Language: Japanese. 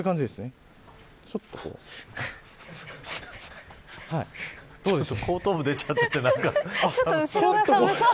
ちょっと後頭部が出ちゃって何か。